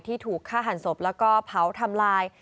ถูกฆ่าหันศพแล้วก็เผาทำลาย